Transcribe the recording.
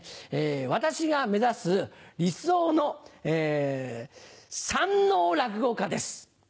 私が目指す理想の三ＮＯ落語家です。